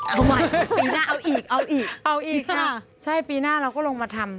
เอาใหม่ปีหน้าเอาอีกเอาอีกเอาอีกค่ะใช่ปีหน้าเราก็ลงมาทำ